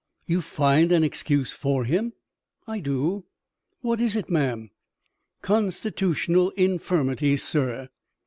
"You find an excuse for him?" "I do." "What is it, ma'am?" "Constitutional infirmity, sir."